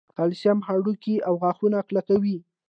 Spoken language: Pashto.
کلسیم هډوکي او غاښونه کلکوي